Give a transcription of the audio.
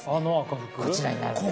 こちらになるんです。